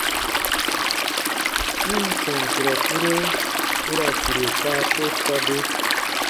N ǹ tɔn kurɔ kpuro u ra sire kaa te sɔbe.